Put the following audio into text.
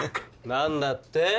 何だって？